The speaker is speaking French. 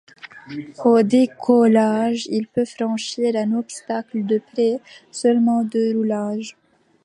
Au décollage, il peut franchir un obstacle de après seulement de roulage.